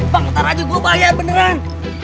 bang ntar aja gue bayar beneran